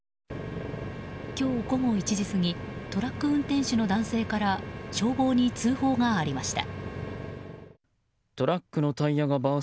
今日午後１時過ぎトラック運転手の男性から消防に通報がありました。